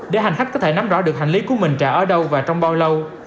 để hành khách có thể nắm rõ được hành lý của mình trả ở đâu và trong bao lâu